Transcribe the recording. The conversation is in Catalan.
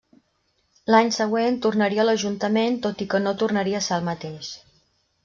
L'any següent tornaria a l'Ajuntament tot i que no tornaria a ser el mateix.